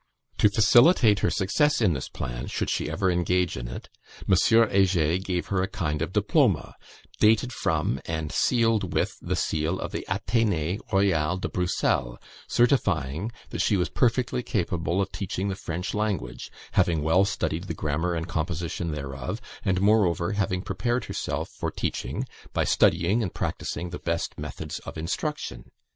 To facilitate her success in this plan, should she ever engage in it, M. Heger gave her a kind of diploma, dated from, and sealed with the seal of the Athenee Royal de Bruxelles, certifying that she was perfectly capable of teaching the French language, having well studied the grammar and composition thereof, and, moreover, having prepared herself for teaching by studying and practising the best methods of instruction.